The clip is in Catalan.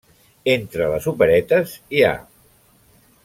Entre les operetes hi ha.